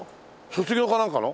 卒業かなんかの？